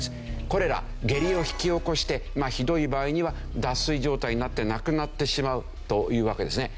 コレラ下痢を引き起こしてひどい場合には脱水状態になって亡くなってしまうというわけですね。